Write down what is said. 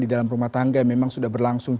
di dalam rumah tangga memang sudah berlangsung